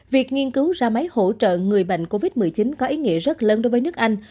việc nghiên cứu ra máy hỗ trợ người bệnh covid một mươi chín có ý nghĩa rất lớn đối với nước anh